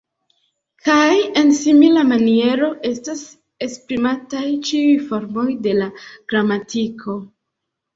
Kaj en simila maniero estas esprimataj ĉiuj formoj de la gramatiko.